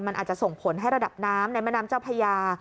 มันอาจจะส่งผลให้ระดับน้ำในแม่น้ำเจ้าพญา